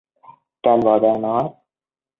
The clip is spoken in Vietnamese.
Trinh vội vàng nói